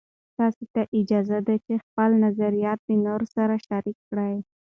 تاسې ته اجازه ده چې خپل نظریات د نورو سره شریک کړئ.